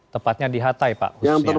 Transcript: tepatnya di hatay pak